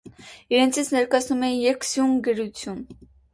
Իրենից ներկայացնում է երկսյուն գրություն։